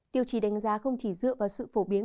tiêu chí đánh giá không chỉ dựa vào sự phổ biến